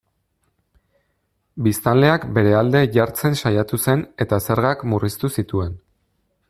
Biztanleak bere alde jartzen saiatu zen eta zergak murriztu zituen.